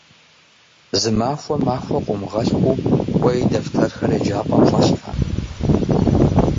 Зы махуэм махуэ къыумыгъэлъхуу, кӏуэи дэфтэрхэр еджапӏэм щӏэлъхьэ.